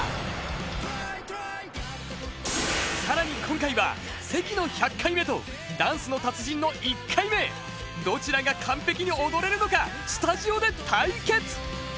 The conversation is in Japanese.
さらに今回は関の１００回目とダンスの達人の１回目どちらが完璧に踊れるのかスタジオで対決。